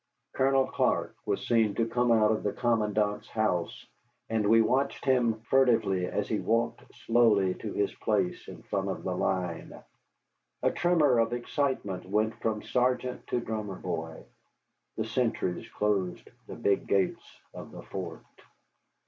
Colonel Clark was seen to come out of the commandant's house, and we watched him furtively as he walked slowly to his place in front of the line. A tremor of excitement went from sergeant to drummer boy. The sentries closed the big gates of the fort.